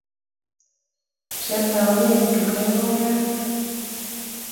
kiotounen kiplekonik ang'wan